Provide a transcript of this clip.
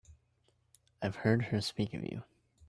I've heard her speak of you.